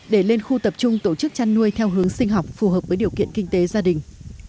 để lên khu tập trung tổ chức chăn nuôi theo hướng sinh học phù hợp với điều kiện kinh tế gia đình